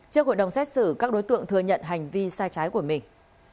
trước hội đồng xét xử các đối tượng thừa nhận hành vi sai trái của mình